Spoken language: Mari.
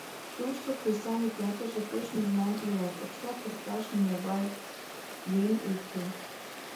Тусо кресаньык ятырже пеш нужнан илат, окса пурташ нимогай йӧн уке.